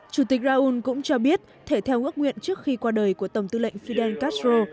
chủ tịch raúl cũng cho biết thể theo ước nguyện trước khi qua đời của tổng tư lệnh fidel castro